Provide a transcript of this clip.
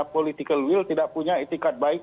political will tidak punya etikat baik